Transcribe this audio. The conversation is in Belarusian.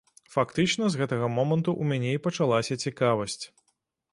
Фактычна з гэтага моманту ў мяне і пачалася цікавасць.